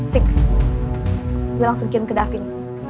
fiks gue langsung kirim ke davin